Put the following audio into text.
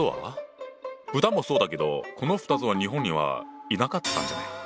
豚もそうだけどこの２つは日本にはいなかったんじゃない？